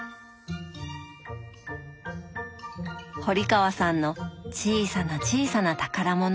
堀川さんの小さな小さな宝物。